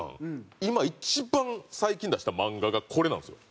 今一番最近出した漫画がこれなんですよ。